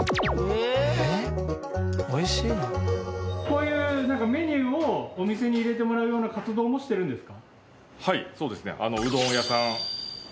こういうメニューをお店に入れてもらうような活動もしてるんですか？